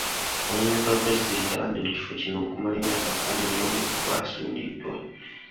Omumyuka wa Pulezidenti abadde mu kifo kino okumala emyaka kkumi y’omu ku basuuliddwa.